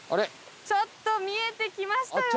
ちょっと見えてきましたよ。